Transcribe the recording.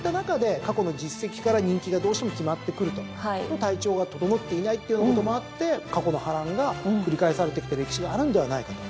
体調が整っていないっていうようなこともあって過去の波乱が繰り返されてきた歴史があるんではないかと。